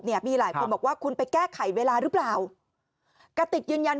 เนี่ยมีหลายคนบอกว่าคุณไปแก้ไขเวลาหรือเปล่ากะติกยืนยัน